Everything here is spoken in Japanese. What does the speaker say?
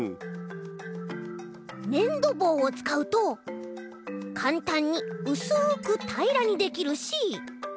ねんどぼうをつかうとかんたんにうすくたいらにできるし。